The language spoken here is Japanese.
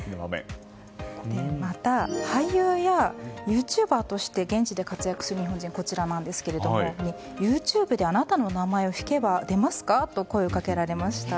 また俳優やユーチューバーとして現地で活躍する日本人にＹｏｕＴｕｂｅであなたの名前を引けば出ますか？と声をかけられました。